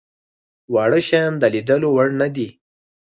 واړه شيان د ليدلو وړ نه دي.